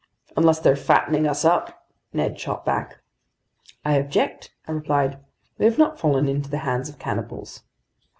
"Unless they're fattening us up!" Ned shot back. "I object," I replied. "We have not fallen into the hands of cannibals."